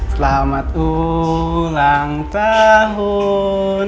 selamat ulang tahun